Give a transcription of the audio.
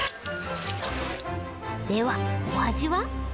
ではお味は？